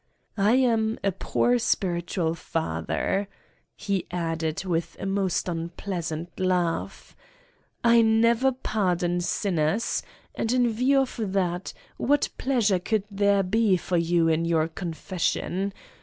" "I am a poor spiritual father/' he added with a most unpleasant laugh : "I never pardon sinners and, in view of that, what pleasure could there be for you in your confession.